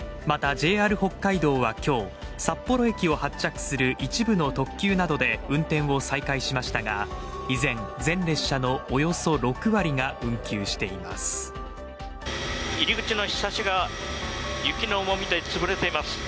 またＪＲ北海道は今日、札幌駅を発着する一部の特急などで運転を再開しましたが、依然、全列車のおよそ６割が運休しています。